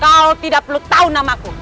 kau tidak perlu tahu namaku